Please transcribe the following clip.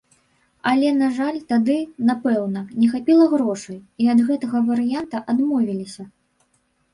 Але, на жаль, тады, напэўна, не хапіла грошай, і ад гэтага варыянта адмовіліся.